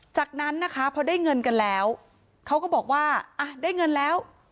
จากนั้นนะคะพอได้เงินกันแล้วเขาก็บอกว่าอ่ะได้เงินแล้ว